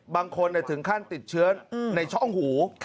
บางคนถึงขั้นติดเชื้อในช่องหู